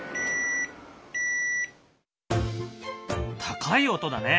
高い音だね。